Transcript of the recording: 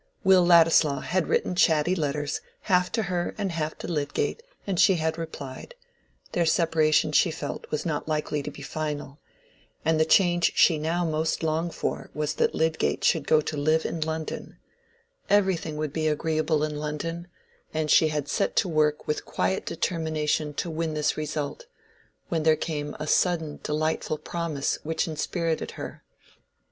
Will Ladislaw had written chatty letters, half to her and half to Lydgate, and she had replied: their separation, she felt, was not likely to be final, and the change she now most longed for was that Lydgate should go to live in London; everything would be agreeable in London; and she had set to work with quiet determination to win this result, when there came a sudden, delightful promise which inspirited her.